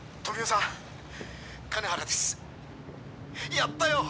やったよ！